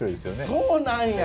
そうなんや！